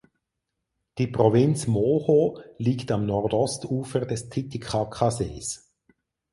Die Provinz Moho liegt am Nordostufer des Titicacasees.